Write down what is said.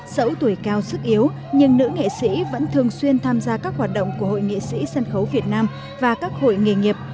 dẫu tuổi cao sức yếu nhưng nữ nghệ sĩ vẫn thường xuyên tham gia các hoạt động của hội nghệ sĩ sân khấu việt nam và các hội nghề nghiệp